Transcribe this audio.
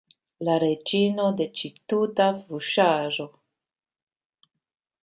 La reĝino de ĉi tuta fuŝaĵo!